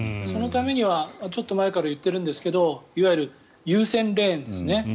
そのためにはちょっと前から言ってるんですけどいわゆる優先レーンですね。